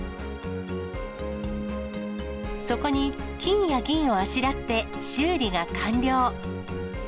そこに、金や銀をあしらって修理が完了。